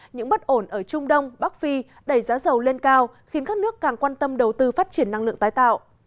những bất ổn ở trung đông bắc phi đẩy giá dầu lên cao khiến các nước càng quan tâm đầu tư phát triển năng lượng tái tạo